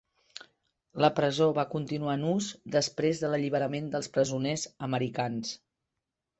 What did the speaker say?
La presó va continuar en ús després de l'alliberament dels presoners americans.